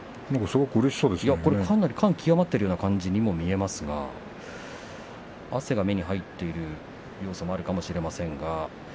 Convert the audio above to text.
感極まってる感じにも見えますが汗が目に入っている様子もあるかもしれません。